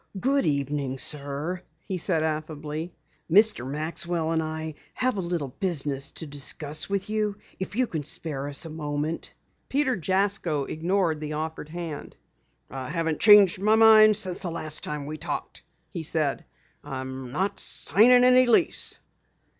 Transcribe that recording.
"Good evening, sir," he said affably. "Mr. Maxwell and I have a little business to discuss with you, if you can spare us a moment." Peter Jasko ignored the offered hand. "I haven't changed my mind since the last time we talked," he said. "I'm not signing any lease!"